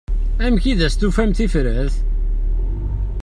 Amek i as-d-tufam tifrat?